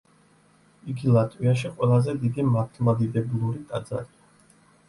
იგი ლატვიაში ყველაზე დიდი მართლმადიდებლური ტაძარია.